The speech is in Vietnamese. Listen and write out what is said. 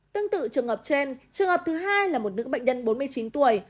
tương tự trường hợp trên trường hợp thứ hai là một nữ bệnh nhân bốn mươi chín tuổi